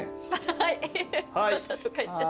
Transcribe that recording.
はい。